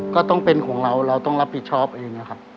ก็ต้องเป็นของเราเราต้องรับผิดชอบเองนะครับ